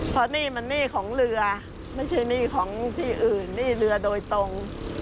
เพราะหนี้มันหนี้ของเรือไม่ใช่หนี้ของที่อื่นหนี้เรือโดยตรง